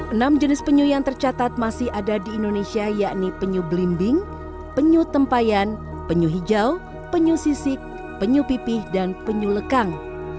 enam jenis penyu yang tercatat masih ada di indonesia yakni penyu belimbing penyu tempayan penyu hijau penyu sisik penyu pipih dan penyu lekang